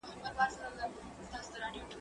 امادګي د ښوونکي له خوا منظم کيږي،